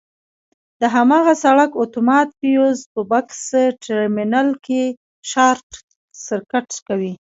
د هماغه سرکټ اتومات فیوز په بکس ټرمینل کې شارټ سرکټ کوي.